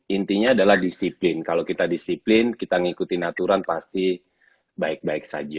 intinya adalah disiplin kalau kita disiplin kita ngikutin aturan pasti baik baik saja